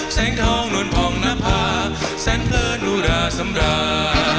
แสงท้องหลวนพองนภาแสนเพลินหุดาสำดา